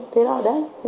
thế đó đấy